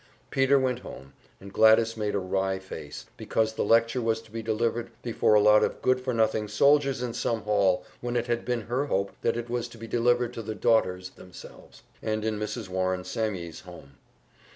Peter went home, and Gladys made a wry face, because the lecture was to be delivered before a lot of good for nothing soldiers in some hall, when it had been her hope that it was to be delivered to the Daughters themselves, and in Mrs. Warring Sammye's home.